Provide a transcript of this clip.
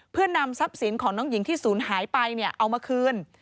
เพื่อนำทรัพย์สินของน้องหญิงที่ศูนย์หายไปเอามาคืน